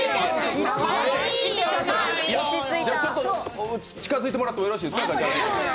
ちょっと近づいてもらっていいですか？